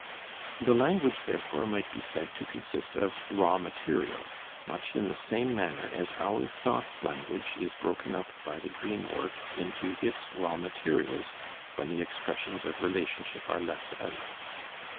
The language, therefore, might be said to consist of raw material, much in the same manner as our thought language is broken up by the dream work into its raw materials when the expressions of relationship are left out.